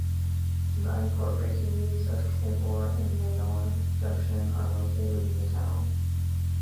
The unincorporated communities of Cavour and Laona Junction are located within the town.